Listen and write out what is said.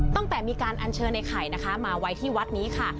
ตั้งแต่มีการอัญเชิญไอ้ไข่นะคะมาไว้ที่วัดนี้ค่ะ